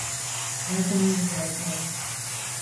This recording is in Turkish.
Yardımınız lazım.